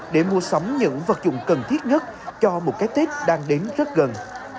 để mua sắm những vật dụng cần thiết nhất cho một cái tết đang đến rất gần